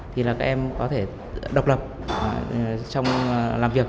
thì là các em có thể độc lập trong làm việc